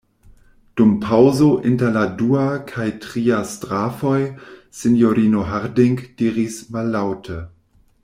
Dum paŭzo inter la dua kaj tria strofoj, sinjorino Harding diris mallaŭte: